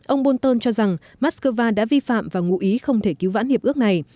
ông bolton cho rằng moscow đã vi phạm và ngụ ý không thể cứu vãn hiệp ước này